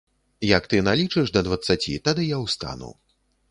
Як ты налічыш да дваццаці, тады я ўстану.